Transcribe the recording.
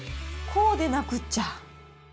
こうでなくっちゃ。